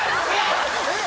えっ？